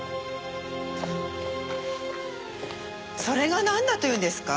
それがなんだというんですか？